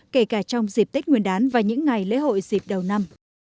kể cả trong dịp tết nguyên đán và những ngày lễ hội dịp đầu năm